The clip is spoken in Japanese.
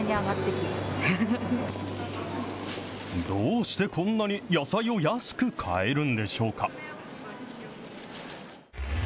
どうしてこんなに野菜を安く買えるんでしょうか。